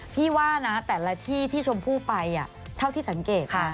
พี่ว่านะแต่ละที่ที่ชมพู่ไปเท่าที่สังเกตนะ